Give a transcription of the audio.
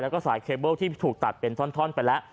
แล้วก็สายเคเบิ้ลที่ถูกตัดเป็นท่อนไปแล้ว